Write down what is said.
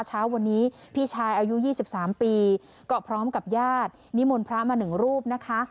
เช้าวันนี้พี่ชายอายุ๒๓ปีก็พร้อมกับญาตินิมนต์พระมาหนึ่งรูปนะคะ